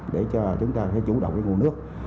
để cho chúng ta chủ động cái nguồn nước